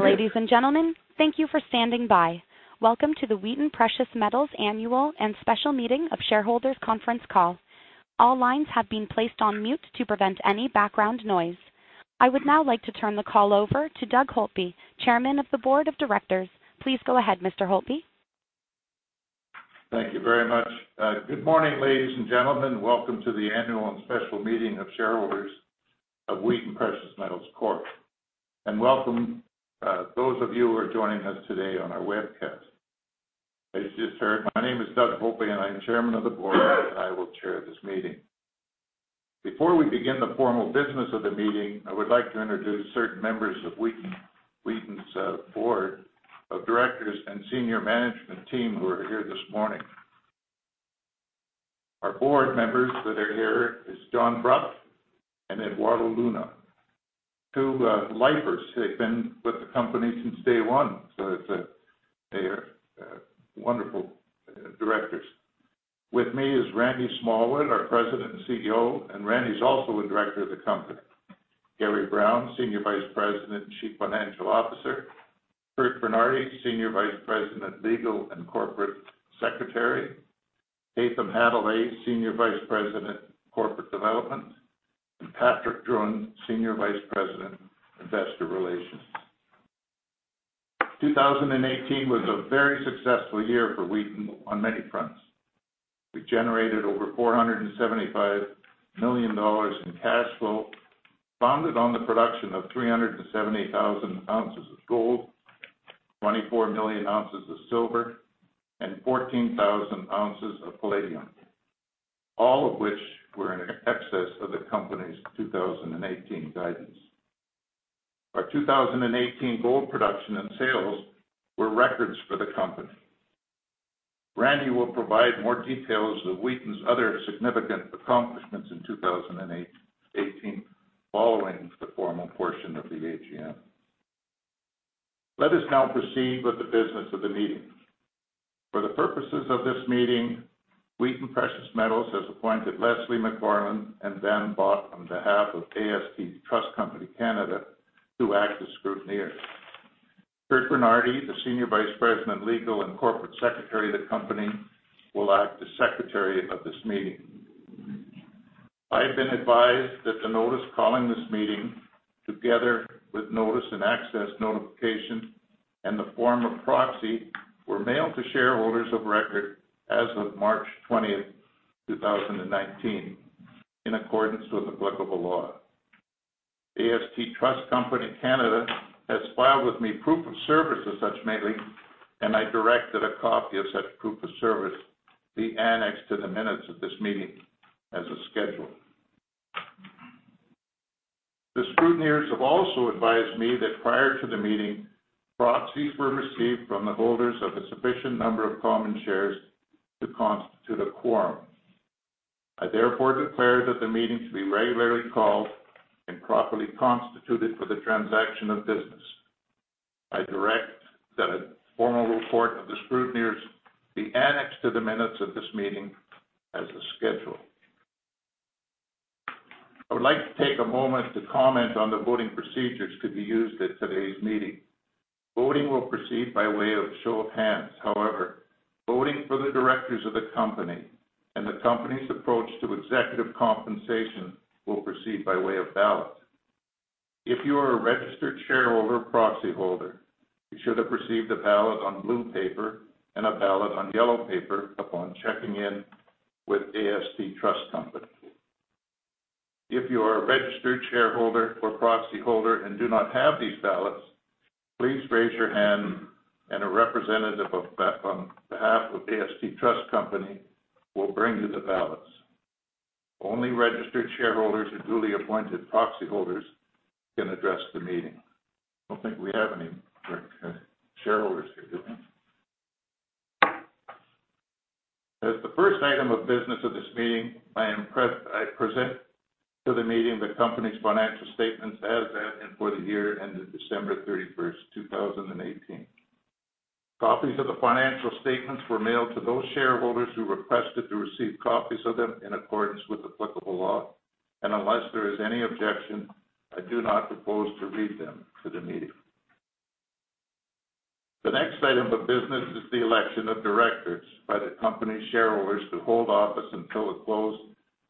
Good morning, ladies and gentlemen. Thank you for standing by. Welcome to the Wheaton Precious Metals Annual and Special Meeting of Shareholders conference call. All lines have been placed on mute to prevent any background noise. I would now like to turn the call over to Doug Holtby, Chairman of the Board of Directors. Please go ahead, Mr. Holtby. Thank you very much. Good morning, ladies and gentlemen. Welcome to the Annual and Special Meeting of Shareholders of Wheaton Precious Metals Corp. Welcome those of you who are joining us today on our webcast. As you just heard, my name is Doug Holtby, and I am Chairman of the Board, and I will chair this meeting. Before we begin the formal business of the meeting, I would like to introduce certain members of Wheaton's Board of Directors and Senior Management Team who are here this morning. Our board members that are here is John Brough and Eduardo Luna, two lifers. They've been with the company since day one, so they are wonderful directors. With me is Randy Smallwood, our President and CEO, and Randy's also a director of the company. Gary Brown, Senior Vice President and Chief Financial Officer. Curt Bernardi, Senior Vice President, Legal and Corporate Secretary. Haytham Hodaly, Senior Vice President, Corporate Development, Patrick Drouin, Senior Vice President, Investor Relations. 2018 was a very successful year for Wheaton on many fronts. We generated over $475 million in cash flow, bonded on the production of 370,000 ounces of gold, 24 million ounces of silver, and 14,000 ounces of palladium, all of which were in excess of the company's 2018 guidance. Our 2018 gold production and sales were records for the company. Randy will provide more details of Wheaton's other significant accomplishments in 2018 following the formal portion of the AGM. Let us now proceed with the business of the meeting. For the purposes of this meeting, Wheaton Precious Metals has appointed Leslie McFarlane and Dan Bach on behalf of AST Trust Company Canada to act as scrutineers. Curt Bernardi, the Senior Vice President, Legal and Corporate Secretary of the company, will act as Secretary of this meeting. I have been advised that the notice calling this meeting, together with notice and access notification and the form of proxy, were mailed to shareholders of record as of March 20th, 2019, in accordance with applicable law. AST Trust Company Canada has filed with me proof of service of such mailing. I direct that a copy of such proof of service be annexed to the minutes of this meeting as a schedule. The scrutineers have also advised me that prior to the meeting, proxies were received from the holders of a sufficient number of common shares to constitute a quorum. I therefore declare that the meeting to be regularly called and properly constituted for the transaction of business. I direct that a formal report of the scrutineers be annexed to the minutes of this meeting as a schedule. I would like to take a moment to comment on the voting procedures to be used at today's meeting. Voting will proceed by way of show of hands. However, voting for the directors of the company and the company's approach to executive compensation will proceed by way of ballot. If you are a registered shareholder proxy holder, you should have received a ballot on blue paper and a ballot on yellow paper upon checking in with AST Trust Company. If you are a registered shareholder or proxy holder and do not have these ballots, please raise your hand and a representative on behalf of AST Trust Company will bring you the ballots. Only registered shareholders and duly appointed proxy holders can address the meeting. I don't think we have any registered shareholders here, do we? As the first item of business of this meeting, I present to the meeting the company's financial statements as at and for the year ended December 31st, 2018. Copies of the financial statements were mailed to those shareholders who requested to receive copies of them in accordance with applicable law. Unless there is any objection, I do not propose to read them to the meeting. The next item of business is the election of directors by the company's shareholders to hold office until the close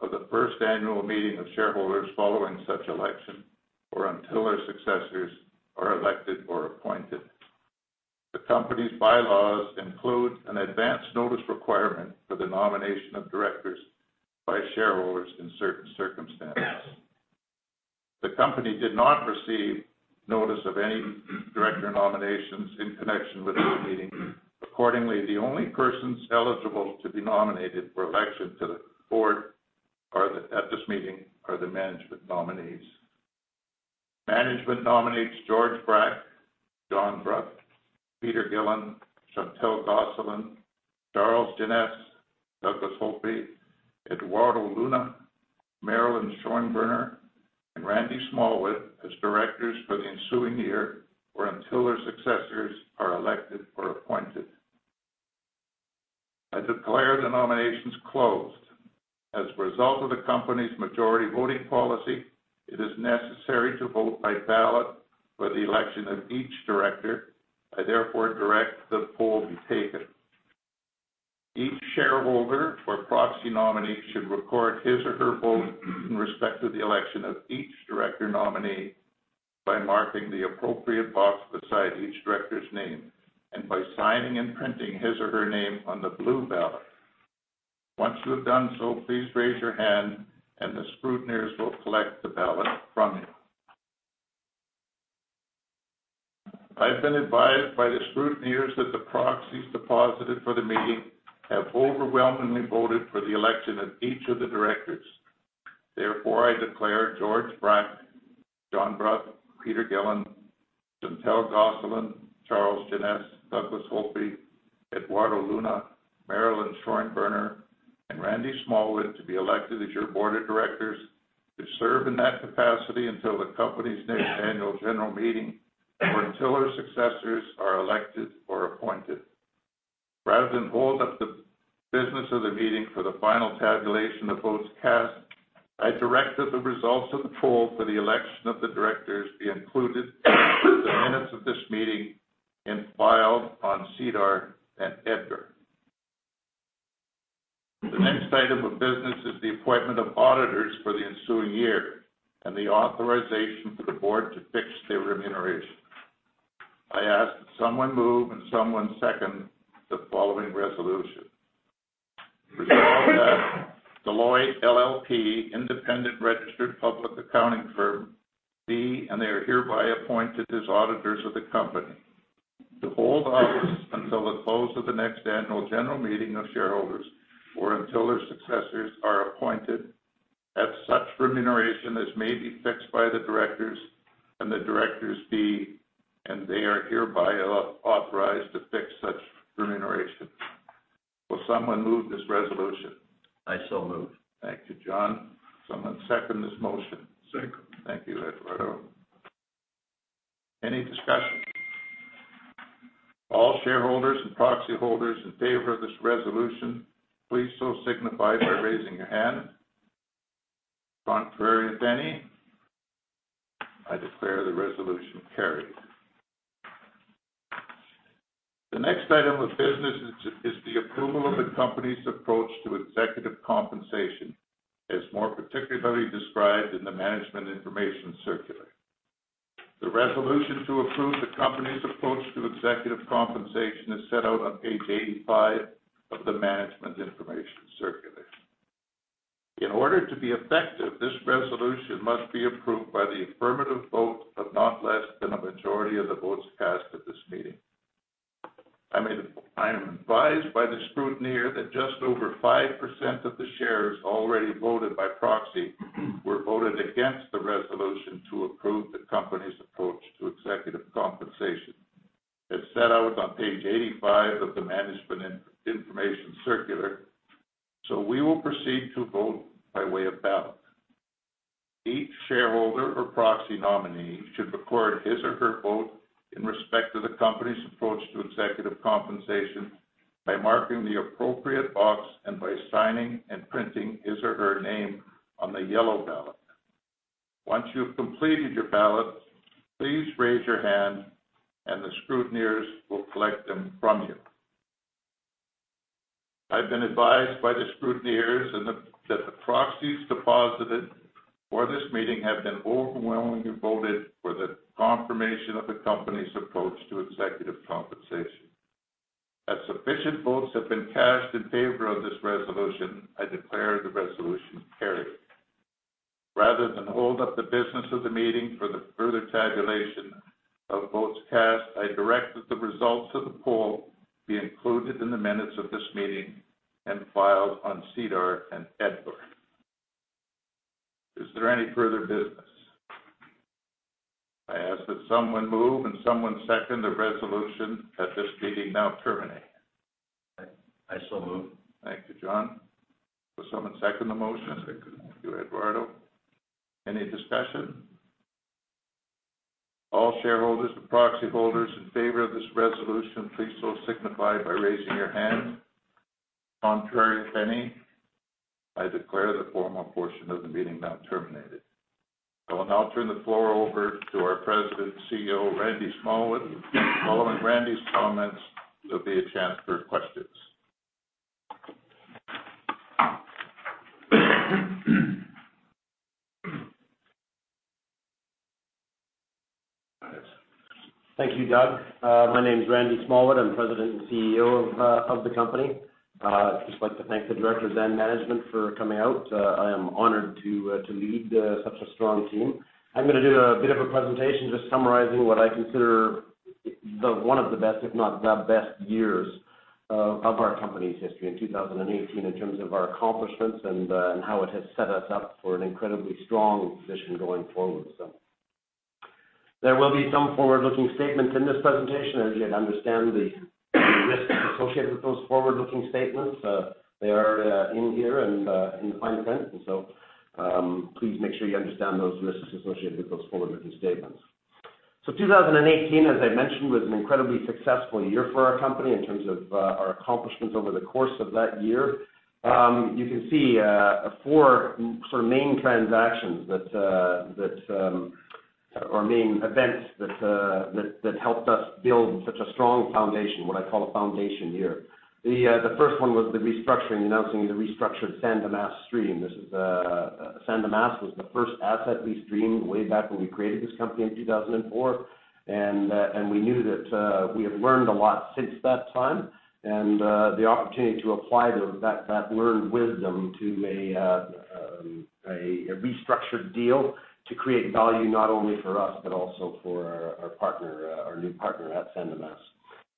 of the first annual meeting of shareholders following such election or until their successors are elected or appointed. The company's bylaws include an advance notice requirement for the nomination of directors by shareholders in certain circumstances. The company did not receive notice of any director nominations in connection with this meeting. Accordingly, the only persons eligible to be nominated for election to the board at this meeting are the management nominees. Management nominates George Brack, John Brough, Peter Gillin, Chantal Gosselin, Charles Jeannes, Douglas Holtby, Eduardo Luna, Marilyn Schonberner, and Randy Smallwood as directors for the ensuing year or until their successors are elected or appointed. I declare the nominations closed. As a result of the company's majority voting policy, it is necessary to vote by ballot for the election of each director. I therefore direct that the poll be taken. Each shareholder or proxy nominee should record his or her vote in respect to the election of each director nominee by marking the appropriate box beside each director's name, and by signing and printing his or her name on the blue ballot. Once you have done so, please raise your hand and the scrutineers will collect the ballot from you. I've been advised by the scrutineers that the proxies deposited for the meeting have overwhelmingly voted for the election of each of the directors. I declare George Brack, John Brough, Peter Gillin, Chantal Gosselin, Charles Jeannes, Douglas Holtby, Eduardo Luna, Marilyn Schonberner, and Randy Smallwood to be elected as your board of directors to serve in that capacity until the company's next annual general meeting or until their successors are elected or appointed. Rather than hold up the business of the meeting for the final tabulation of votes cast, I direct that the results of the poll for the election of the directors be included in the minutes of this meeting and filed on SEDAR and EDGAR. The next item of business is the appointment of auditors for the ensuing year and the authorization for the board to fix their remuneration. I ask that someone move and someone second the following resolution. Resolved, that Deloitte LLP, independent registered public accounting firm be, and they are hereby appointed as auditors of the company to hold office until the close of the next annual general meeting of shareholders or until their successors are appointed, at such remuneration as may be fixed by the directors, and the directors be, and they are hereby authorized to fix such remuneration. Will someone move this resolution? I so move. Thank you, John. Someone second this motion? Second. Thank you, Eduardo. Any discussion? All shareholders and proxy holders in favor of this resolution, please so signify by raising your hand. Contrary if any. I declare the resolution carried. The next item of business is the approval of the company's approach to executive compensation as more particularly described in the management information circular. The resolution to approve the company's approach to executive compensation is set out on page 85 of the management information circular. In order to be effective, this resolution must be approved by the affirmative vote of not less than a majority of the votes cast at this meeting. I am advised by the scrutineer that just over 5% of the shares already voted by proxy were voted against the resolution to approve the company's approach to executive compensation as set out on page 85 of the management information circular. We will proceed to vote by way of ballot. Each shareholder or proxy nominee should record his or her vote in respect to the company's approach to executive compensation by marking the appropriate box and by signing and printing his or her name on the yellow ballot. Once you've completed your ballot, please raise your hand and the scrutineers will collect them from you. I've been advised by the scrutineers that the proxies deposited for this meeting have been overwhelmingly voted for the confirmation of the company's approach to executive compensation. As sufficient votes have been cast in favor of this resolution, I declare the resolution carried. Rather than hold up the business of the meeting for the further tabulation of votes cast, I direct that the results of the poll be included in the minutes of this meeting and filed on SEDAR and EDGAR. Is there any further business? I ask that someone move and someone second the resolution that this meeting now terminate. I so move. Thank you, John. Will someone second the motion? Second. Thank you, Eduardo. Any discussion? All shareholders and proxy holders in favor of this resolution, please so signify by raising your hand. Contrary if any. I declare the formal portion of the meeting now terminated. I will now turn the floor over to our President and CEO, Randy Smallwood. Following Randy's comments, there will be a chance for questions. Thank you, Doug. My name's Randy Smallwood. I'm President and CEO of the company. Just like to thank the directors and management for coming out. I am honored to lead such a strong team. I'm going to do a bit of a presentation just summarizing what I consider one of the best, if not the best years of our company's history in 2018, in terms of our accomplishments and how it has set us up for an incredibly strong position going forward. There will be some forward-looking statements in this presentation. As you understand the risks associated with those forward-looking statements, they are in here and in the fine print. Please make sure you understand those risks associated with those forward-looking statements. 2018, as I mentioned, was an incredibly successful year for our company in terms of our accomplishments over the course of that year. You can see four main transactions or main events that helped us build such a strong foundation, what I call a foundation year. The first one was the restructuring, announcing the restructured San Dimas stream. San Dimas was the first asset we streamed way back when we created this company in 2004. We knew that we have learned a lot since that time and the opportunity to apply that learned wisdom to a restructured deal to create value not only for us but also for our new partner at San Dimas.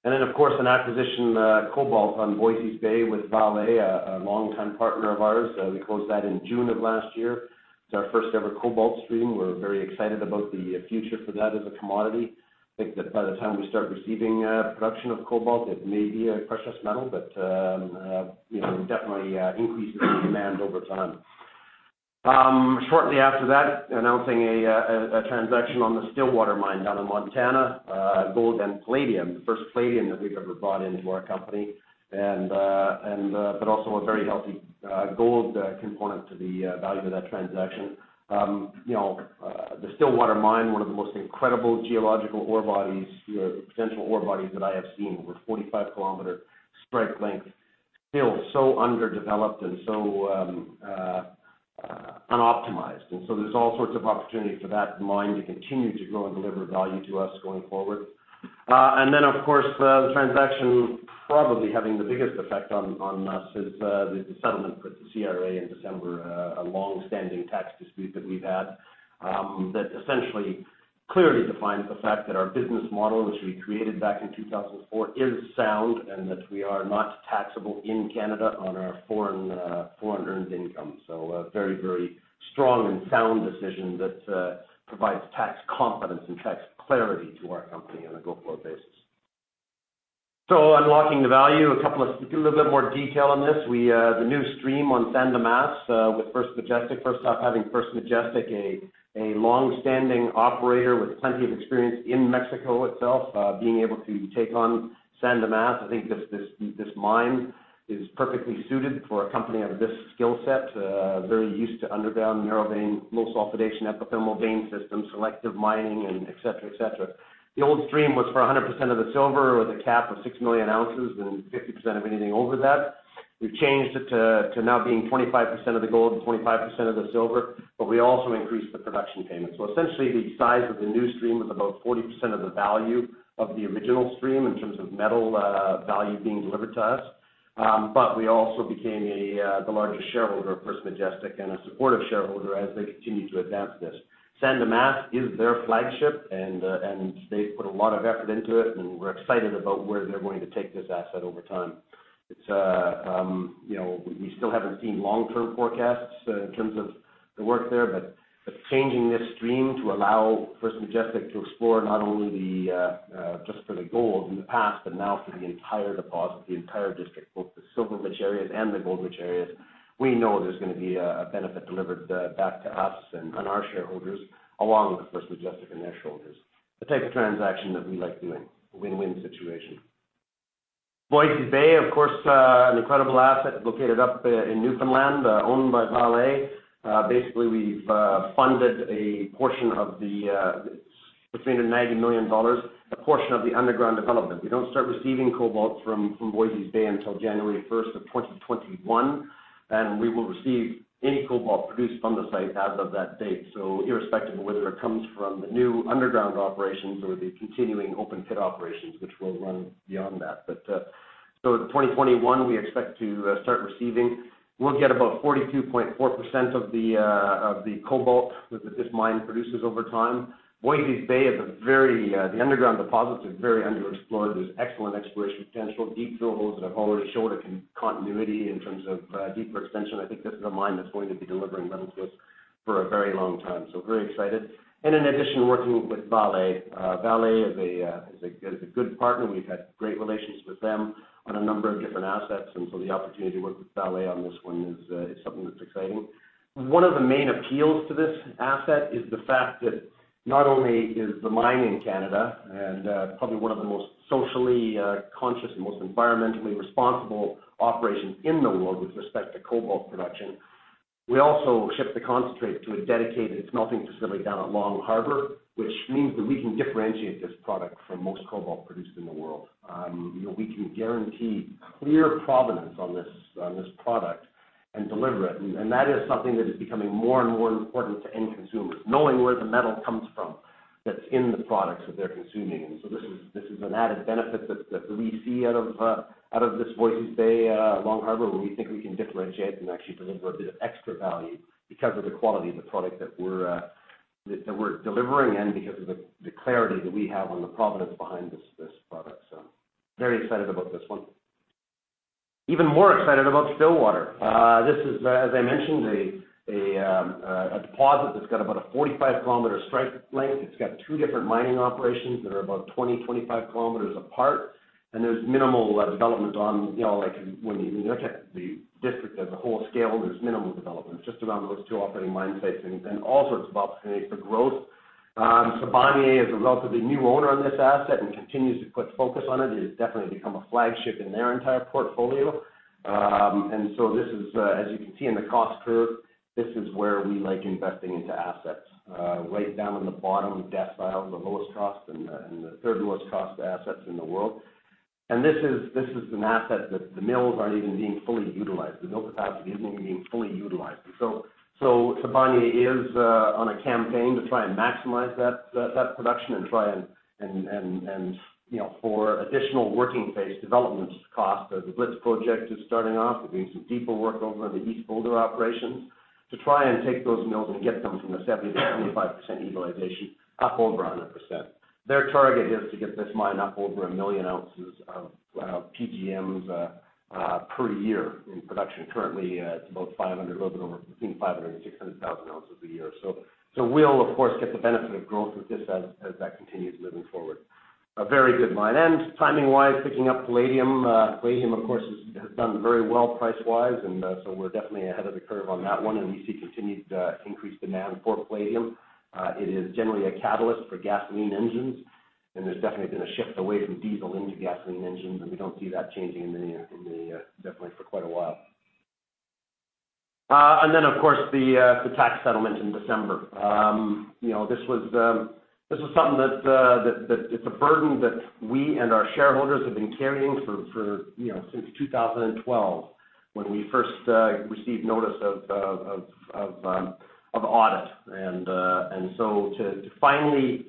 Of course, an acquisition, cobalt on Voisey's Bay with Vale, a long-time partner of ours. We closed that in June of last year. It's our first-ever cobalt stream. We're very excited about the future for that as a commodity. I think that by the time we start receiving production of cobalt, it may be a precious metal, but definitely increases in demand over time. Shortly after that, announcing a transaction on the Stillwater mine down in Montana, gold and palladium, the first palladium that we've ever brought into our company, but also a very healthy gold component to the value of that transaction. The Stillwater mine, one of the most incredible geological ore bodies, potential ore bodies that I have seen, over 45-kilometer strike length, still so underdeveloped and so unoptimized. There's all sorts of opportunity for that mine to continue to grow and deliver value to us going forward. Of course, the transaction probably having the biggest effect on us is the settlement with the Canada Revenue Agency in December, a long-standing tax dispute that we've had that essentially clearly defines the fact that our business model, which we created back in 2004, is sound and that we are not taxable in Canada on our foreign earned income. A very, very strong and sound decision that provides tax confidence and tax clarity to our company on a go-forward basis. Unlocking the value, a little bit more detail on this. The new stream on San Dimas with First Majestic Silver Corp. First off, having First Majestic Silver Corp., a long-standing operator with plenty of experience in Mexico itself, being able to take on San Dimas. I think this mine is perfectly suited for a company of this skillset, very used to underground, narrow vein, low sulfidation, epithermal vein systems, selective mining, and et cetera. The old stream was for 100% of the silver with a cap of 6 million ounces and 50% of anything over that. We've changed it to now being 25% of the gold and 25% of the silver, but we also increased the production payment. Essentially the size of the new stream is about 40% of the value of the original stream in terms of metal value being delivered to us. We also became the largest shareholder of First Majestic Silver Corp. and a supportive shareholder as they continue to advance this. San Dimas is their flagship, and they've put a lot of effort into it, and we're excited about where they're going to take this asset over time. We still haven't seen long-term forecasts in terms of the work there, but changing this stream to allow First Majestic Silver Corp. to explore not only just for the gold in the past, but now for the entire deposit, the entire district, both the silver-rich areas and the gold-rich areas. We know there's going to be a benefit delivered back to us and our shareholders, along with First Majestic Silver Corp. and their shareholders. The type of transaction that we like doing, a win-win situation. Voisey's Bay, of course, an incredible asset located up in Newfoundland, owned by Vale. Basically, we've funded a portion of the $190 million, a portion of the underground development. We don't start receiving cobalt from Voisey's Bay until January 1st of 2021, and we will receive any cobalt produced from the site as of that date. Irrespective of whether it comes from the new underground operations or the continuing open pit operations, which will run beyond that. 2021, we expect to start receiving. We'll get about 42.4% of the cobalt that this mine produces over time. Voisey's Bay, the underground deposits are very underexplored. There's excellent exploration potential, deep drill holes that have already showed a continuity in terms of deeper extension. I think this is a mine that's going to be delivering metals to us for a very long time, so very excited. In addition, working with Vale. Vale is a good partner. We've had great relations with them on a number of different assets, and so the opportunity to work with Vale on this one is something that's exciting. One of the main appeals to this asset is the fact that not only is the mine in Canada and probably one of the most socially conscious and most environmentally responsible operations in the world with respect to cobalt production, we also ship the concentrate to a dedicated smelting facility down at Long Harbor, which means that we can differentiate this product from most cobalt produced in the world. We can guarantee clear provenance on this product and deliver it. That is something that is becoming more and more important to end consumers, knowing where the metal comes from that's in the products that they're consuming. This is an added benefit that we see out of this Voisey's Bay Long Harbor, where we think we can differentiate and actually deliver a bit of extra value because of the quality of the product that we're delivering and because of the clarity that we have on the provenance behind this product. Very excited about this one. Even more excited about Stillwater. This is, as I mentioned, a deposit that's got about a 45-kilometer strike length. It's got two different mining operations that are about 20, 25 kilometers apart, and when you look at the district as a whole scale, there's minimal development just around those two operating mine sites and all sorts of opportunities for growth. Sibanye is a relatively new owner on this asset and continues to put focus on it. It has definitely become a flagship in their entire portfolio. This is, as you can see in the cost curve, this is where we like investing into assets right down on the bottom decile, the lowest cost and the third lowest cost assets in the world. This is an asset that the mills aren't even being fully utilized. The mill capacity isn't even being fully utilized. Sibanye is on a campaign to try and maximize that production and try and, for additional working phase developments, the Blitz project is starting off. There's going to be some deeper work over the East Boulder operations to try and take those mills and get them from a 70%-75% utilization up over 100%. Their target is to get this mine up over a million ounces of PGMs per year in production. Currently, it's between 500,000 and 600,000 ounces a year. We'll, of course, get the benefit of growth with this as that continues moving forward. A very good mine. Timing-wise, picking up palladium. Palladium, of course, has done very well price-wise, so we're definitely ahead of the curve on that one. We see continued increased demand for palladium. It is generally a catalyst for gasoline engines. There's definitely been a shift away from diesel into gasoline engines, and we don't see that changing definitely for quite a while. Then, of course, the tax settlement in December. This was a burden that we and our shareholders have been carrying since 2012 when we first received notice of audit. To finally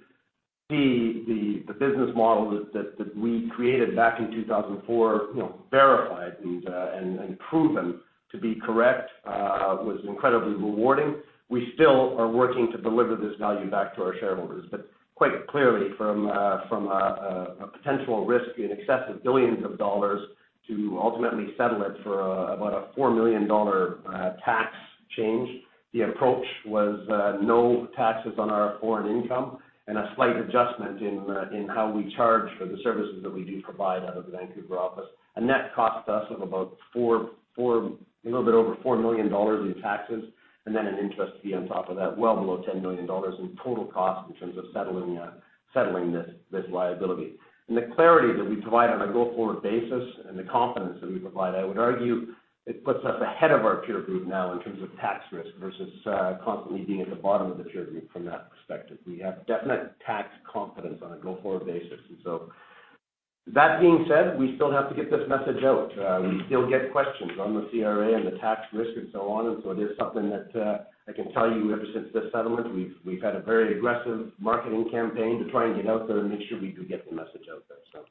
see the business model that we created back in 2004 verified and proven to be correct, was incredibly rewarding. We still are working to deliver this value back to our shareholders. Quite clearly, from a potential risk in excess of billions of dollars to ultimately settle it for about a $4 million tax change, the approach was no taxes on our foreign income and a slight adjustment in how we charge for the services that we do provide out of the Vancouver office. A net cost to us of a little bit over $4 million in taxes and then an interest fee on top of that, well below $10 million in total cost in terms of settling this liability. The clarity that we provide on a go-forward basis and the confidence that we provide, I would argue, it puts us ahead of our peer group now in terms of tax risk versus constantly being at the bottom of the peer group from that perspective. We have definite tax confidence on a go-forward basis. That being said, we still have to get this message out. We still get questions on the CRA and the tax risk and so on. There's something that I can tell you, ever since this settlement, we've had a very aggressive marketing campaign to try and get out there and make sure we do get the message out there.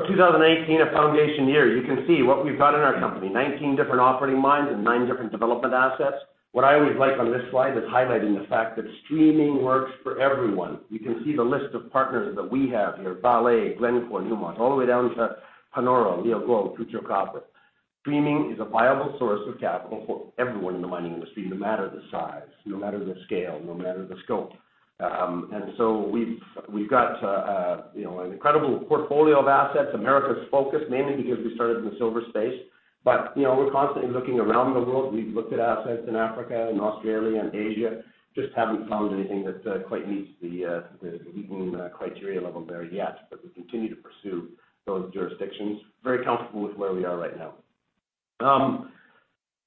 2018, a foundation year. You can see what we've got in our company, 19 different operating mines and nine different development assets. What I always like on this slide is highlighting the fact that streaming works for everyone. You can see the list of partners that we have here, Vale, Glencore, Newmont, all the way down to Panoro, Leagold, Futura Copper. Streaming is a viable source of capital for everyone in the mining industry, no matter the size, no matter the scale, no matter the scope. We've got an incredible portfolio of assets, Americas-focused, mainly because we started in the silver space. We're constantly looking around the world. We've looked at assets in Africa and Australia and Asia, just haven't found anything that quite meets the Wheaton criteria level there yet. We continue to pursue those jurisdictions. Very comfortable with where we are right now.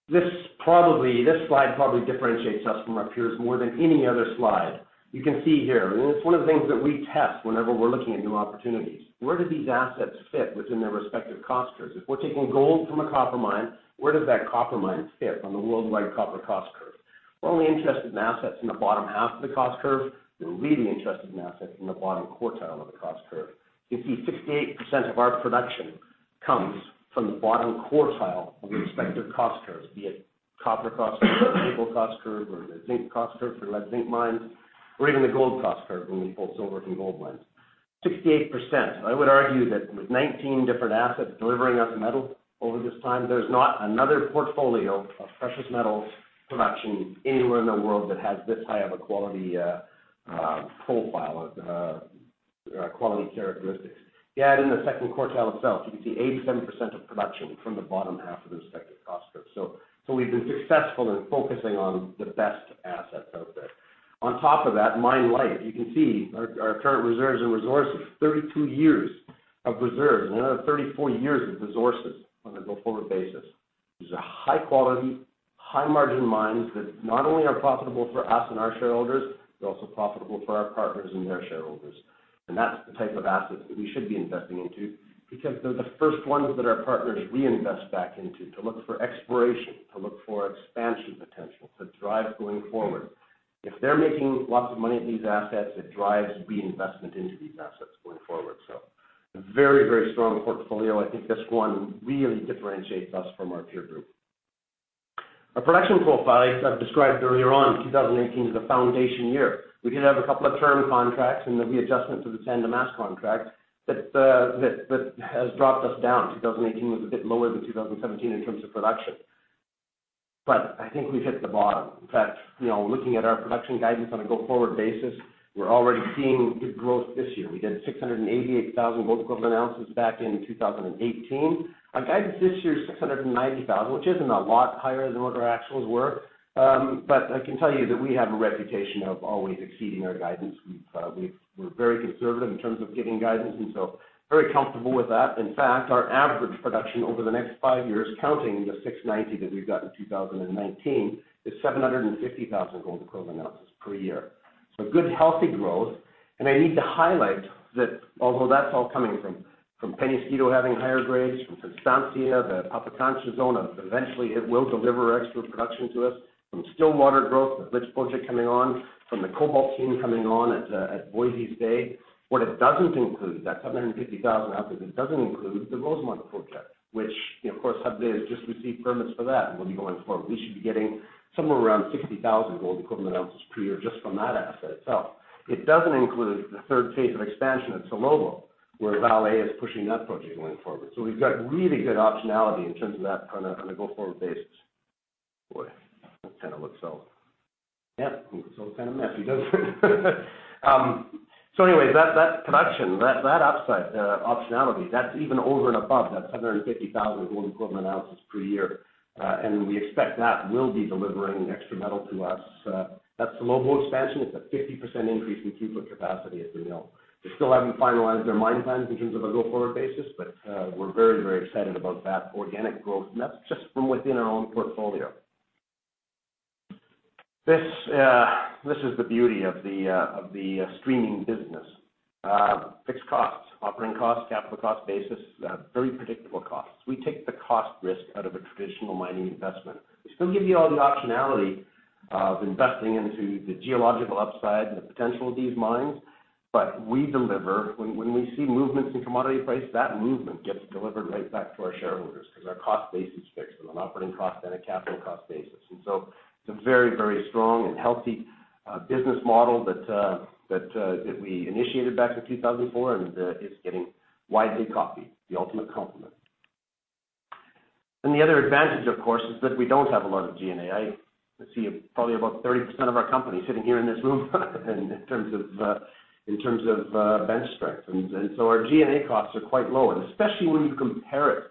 This slide probably differentiates us from our peers more than any other slide. You can see here, and it's one of the things that we test whenever we're looking at new opportunities. Where do these assets fit within their respective cost curves? If we're taking gold from a copper mine, where does that copper mine fit on the worldwide copper cost curve? We're only interested in assets in the bottom half of the cost curve. We're really interested in assets in the bottom quartile of the cost curve. You can see 68% of our production comes from the bottom quartile of the respective cost curves, be it copper cost curve, nickel cost curve, or the zinc cost curve for lead zinc mines, or even the gold cost curve when we pull silver from gold mines. 68%. I would argue that with 19 different assets delivering us metal over this time, there's not another portfolio of precious metals production anywhere in the world that has this high of a quality profile, quality characteristics. To add in the second quartile itself, you can see 87% of production from the bottom half of the respective cost curves. We've been successful in focusing on the best assets out there. On top of that, mine life. You can see our current reserves and resources, 32 years of reserves, another 34 years of resources on a go-forward basis. These are high quality, high margin mines that not only are profitable for us and our shareholders, they're also profitable for our partners and their shareholders. That's the type of assets that we should be investing into because they're the first ones that our partners reinvest back into to look for exploration, to look for expansion potential, to drive going forward. If they're making lots of money at these assets, it drives reinvestment into these assets going forward. A very, very strong portfolio. I think this one really differentiates us from our peer group. Our production profile, as I've described earlier on, 2018 is a foundation year. We did have a couple of term contracts. There'll be adjustments to the San Dimas contract that has dropped us down. 2018 was a bit lower than 2017 in terms of production. I think we've hit the bottom. In fact, looking at our production guidance on a go-forward basis, we're already seeing good growth this year. We did 688,000 gold equivalent ounces back in 2018. Our guidance this year is 690,000, which isn't a lot higher than what our actuals were. I can tell you that we have a reputation of always exceeding our guidance. We're very conservative in terms of giving guidance, and so very comfortable with that. In fact, our average production over the next 5 years, counting the 690 that we've got in 2019, is 750,000 gold equivalent ounces per year. Good, healthy growth. I need to highlight that although that's all coming from Peñasquito having higher grades, from Constancia, the Pampacancha zone, eventually it will deliver extra production to us. From Stillwater growth, the Rich project coming on, from the cobalt team coming on at Voisey's Bay. What it doesn't include, that 750,000 ounces, it doesn't include the Rosemont project, which of course Hudbay has just received permits for that and will be going forward. We should be getting somewhere around 60,000 gold equivalent ounces per year just from that asset itself. It doesn't include the third phase of expansion at Salobo, where Vale is pushing that project going forward. We've got really good optionality in terms of that on a go-forward basis. Boy, that kind of looks so Yeah, it looks all kind of messy, doesn't it? That production, that upside, the optionality, that's even over and above that 750,000 gold equivalent ounces per year. We expect that will be delivering extra metal to us. That Salobo expansion, it's a 50% increase in throughput capacity at the mill. They still haven't finalized their mine plans in terms of a go-forward basis, but we're very excited about that organic growth, and that's just from within our own portfolio. This is the beauty of the streaming business. Fixed costs, operating costs, capital cost basis, very predictable costs. We take the cost risk out of a traditional mining investment. We still give you all the optionality of investing into the geological upside and the potential of these mines. We deliver When we see movements in commodity price, that movement gets delivered right back to our shareholders because our cost base is fixed on an operating cost and a capital cost basis. It's a very strong and healthy business model that we initiated back in 2004, and it's getting widely copied, the ultimate compliment. The other advantage, of course, is that we don't have a lot of G&A. I see probably about 30% of our company sitting here in this room in terms of bench strength. Our G&A costs are quite low, and especially when you compare it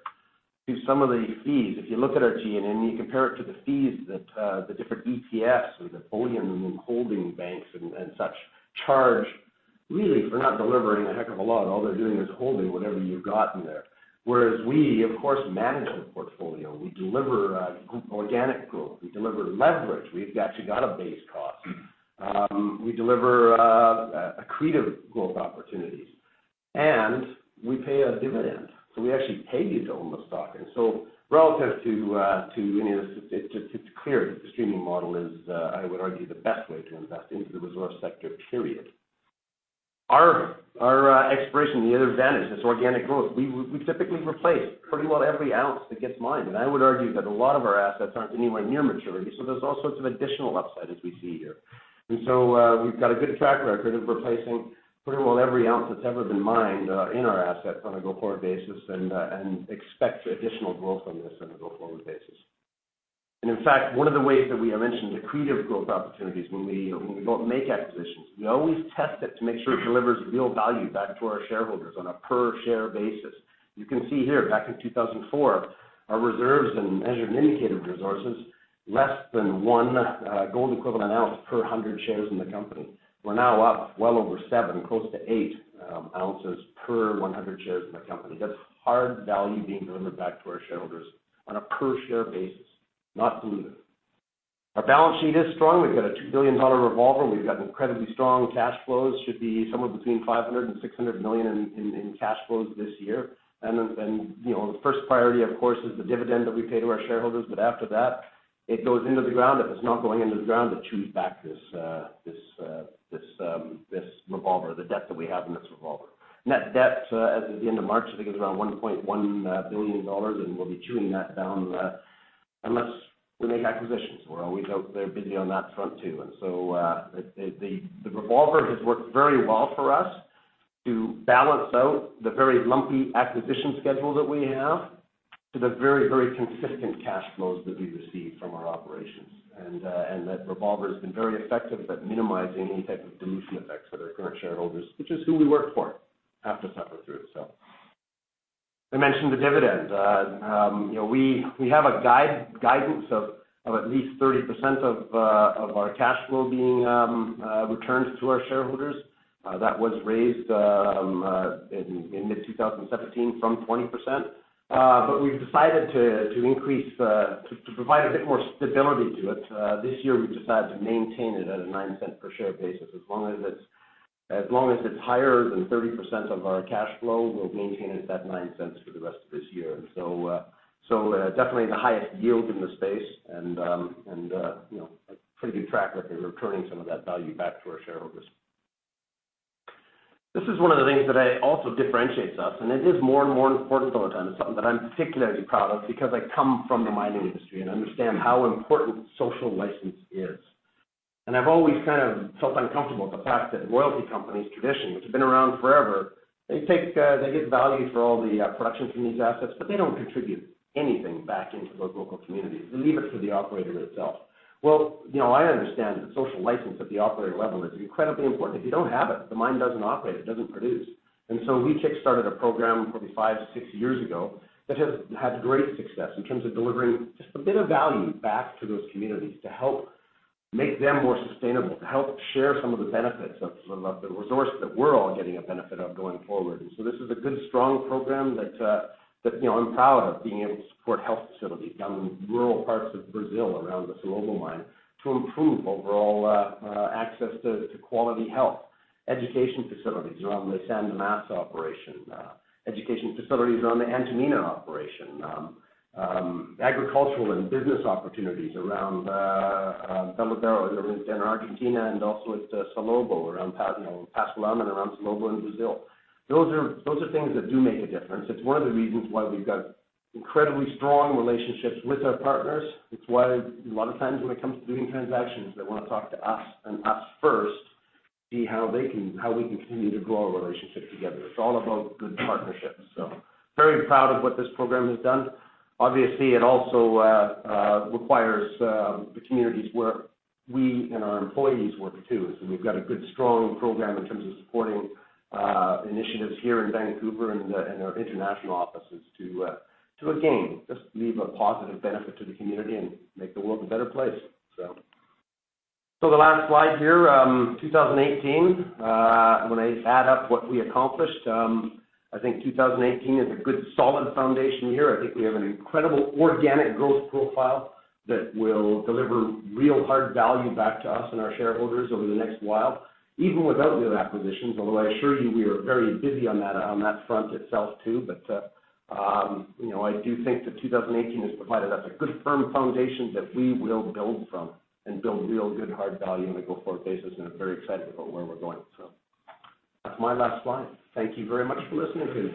to some of the fees. If you look at our G&A and you compare it to the fees that the different ETFs or the bullion holding banks and such charge, really for not delivering a heck of a lot. All they're doing is holding whatever you've got in there. Whereas we, of course, manage the portfolio. We deliver organic growth. We deliver leverage. We've actually got a base cost. We deliver accretive growth opportunities, and we pay a dividend. We actually pay you to own the stock. Relative to any of the It's clear that the streaming model is, I would argue, the best way to invest into the resource sector, period. Our exploration, the other advantage, this organic growth, we've typically replaced pretty well every ounce that gets mined. I would argue that a lot of our assets aren't anywhere near maturity, so there's all sorts of additional upside as we see here. We've got a good track record of replacing pretty well every ounce that's ever been mined in our asset on a go-forward basis and expect additional growth on this on a go-forward basis. In fact, one of the ways that we have mentioned accretive growth opportunities when we go out and make acquisitions, we always test it to make sure it delivers real value back to our shareholders on a per share basis. You can see here, back in 2004, our reserves and measured indicated resources, less than one gold equivalent ounce per 100 shares in the company. We're now up well over seven, close to eight ounces per 100 shares in the company. That's hard value being delivered back to our shareholders on a per share basis, not diluted. Our balance sheet is strong. We've got a $2 billion revolver. We've got incredibly strong cash flows, should be somewhere between $500 million and $600 million in cash flows this year. The first priority, of course, is the dividend that we pay to our shareholders. After that, it goes into the ground. If it's not going into the ground, it chews back this revolver, the debt that we have in this revolver. Net debt as of the end of March, I think it was around $1.1 billion, and we'll be chewing that down, unless we make acquisitions. We're always out there busy on that front, too. The revolver has worked very well for us to balance out the very lumpy acquisition schedule that we have to the very consistent cash flows that we receive from our operations. That revolver has been very effective at minimizing any type of dilution effects for their current shareholders, which is who we work for, have to suffer through it. I mentioned the dividend. We have a guidance of at least 30% of our cash flow being returned to our shareholders. That was raised in mid-2017 from 20%. We've decided to provide a bit more stability to it. This year, we've decided to maintain it at a 0.09 per share basis. As long as it's higher than 30% of our cash flow, we'll maintain it at 0.09 for the rest of this year. Definitely the highest yield in the space and a pretty good track record of returning some of that value back to our shareholders. This is one of the things that also differentiates us, and it is more and more important all the time. It's something that I'm particularly proud of because I come from the mining industry and understand how important social license is. I've always felt uncomfortable with the fact that royalty companies, traditionally, which have been around forever, they get value for all the production from these assets, but they don't contribute anything back into those local communities. They leave it to the operator itself. I understand that social license at the operator level is incredibly important. If you don't have it, the mine doesn't operate, it doesn't produce. We kickstarted a program probably five to six years ago that has had great success in terms of delivering just a bit of value back to those communities to help make them more sustainable, to help share some of the benefits of the resource that we're all getting a benefit of going forward. This is a good, strong program that I'm proud of, being able to support health facilities down in rural parts of Brazil, around the Salobo mine, to improve overall access to quality health. Education facilities around the San Dimas operation, education facilities around the Antamina operation. Agricultural and business opportunities around Veladero in Argentina and also at Salobo, around Pascua-Lama and around Salobo in Brazil. Those are things that do make a difference. It's one of the reasons why we've got incredibly strong relationships with our partners. It's why a lot of times when it comes to doing transactions, they want to talk to us and us first, see how we can continue to grow our relationship together. It's all about good partnerships. Very proud of what this program has done. Obviously, it also requires the community's work, we and our employees' work, too. We've got a good, strong program in terms of supporting initiatives here in Vancouver and our international offices to, again, just leave a positive benefit to the community and make the world a better place. The last slide here, 2018. When I add up what we accomplished, I think 2018 is a good, solid foundation here. I think we have an incredible organic growth profile that will deliver real hard value back to us and our shareholders over the next while, even without new acquisitions, although I assure you we are very busy on that front itself, too. I do think that 2018 has provided us a good, firm foundation that we will build from and build real good, hard value on a go-forward basis, and I'm very excited about where we're going. That's my last slide. Thank you very much for listening to me.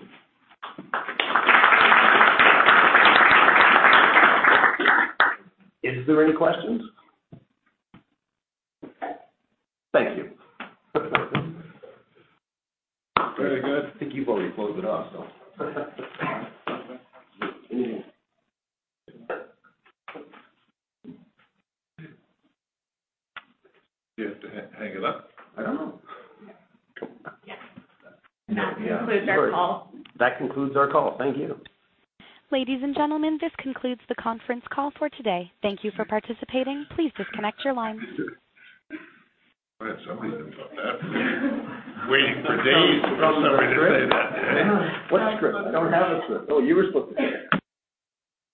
Is there any questions? Thank you. Very good. I think you've already closed it off. Do you have to hang it up? I don't know. Yes. That concludes our call. That concludes our call. Thank you. Ladies and gentlemen, this concludes the conference call for today. Thank you for participating. Please disconnect your lines. I had some reason for that. Waiting for days for somebody to say that. What script? I don't have a script. Oh, you were supposed to say that.